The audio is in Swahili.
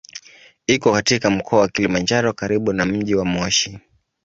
Iko katika Mkoa wa Kilimanjaro karibu na mji wa Moshi.